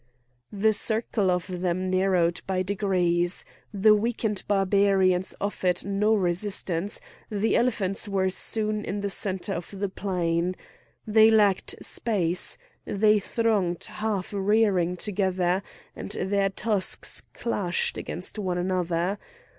The circle of them narrowed by degrees; the weakened Barbarians offered no resistance; the elephants were soon in the centre of the plain. They lacked space; they thronged half rearing together, and their tusks clashed against one another.